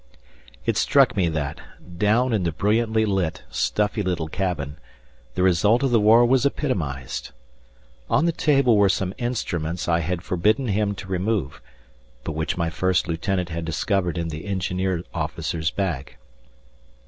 It struck me that, down in the brilliantly lit, stuffy little cabin, the result of the war was epitomized. On the table were some instruments I had forbidden him to remove, but which my first lieutenant had discovered in the engineer officer's bag.